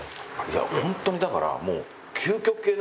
いや本当にだからもう。